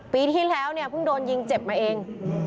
ปีที่แล้วเนี่ยเพิ่งโดนยิงเจ็บมาเอง